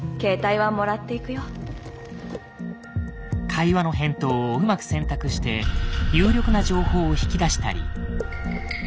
会話の返答をうまく選択して有力な情報を引き出したり。